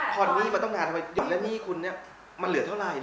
พ่อนนี่มันต้องงานเยอะแล้วนี่คุณเนี่ยมันเหลือเท่าไหร่